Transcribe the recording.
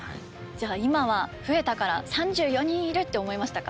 じゃあ今は増えたから３４人いる！って思いましたか？